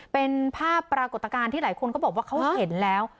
เป็นภาพปรากฏการณ์ที่หลายคนเขาบอกว่าเขาเห็นแล้ว